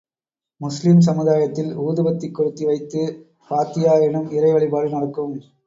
முஸ்லீம் சமுதாயத்தில், ஊதுபத்தி கொளுத்தி வைத்து பாத்தியா எனும் இறைவழிபாடு நடக்கும்.